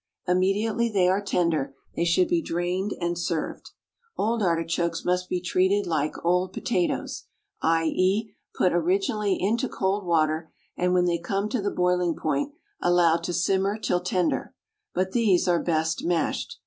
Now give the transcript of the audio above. Immediately they are tender they should be drained and served. Old artichokes must be treated like old potatoes, i.e., put originally into cold water, and when they come to the boiling point allowed to simmer till tender; but these are best mashed.